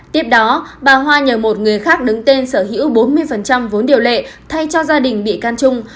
tiếp đó bà hoa nhờ một người khác đứng tên sở hữu bốn mươi vốn điều lệ thay cho gia đình bị can trung